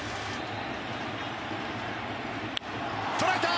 捉えた！